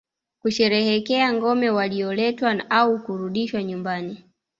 Kusherehekea ngombe walioletwa au kurudishwa nyumbani